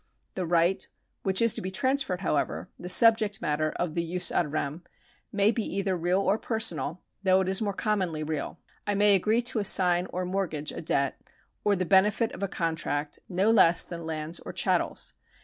The right which is to be transferred, however — the subject matter of the jus ad rem — may be either real or personal, though it is more commonly real. I may agree to assign or mortgage a debt, or the benefit of a contract, no less than lands or chattels.